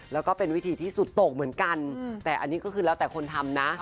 แล้วก็เป็นวิธีที่สุดตกเหมือนกันแต่อันนี้ก็คือแล้วแต่คนทำนะ